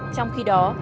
trong khi đó